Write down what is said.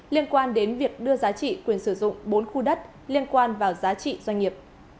liên quan đến việc đưa giá trị quyền sử dụng bốn khu đất liên quan vào giá trị doanh nghiệp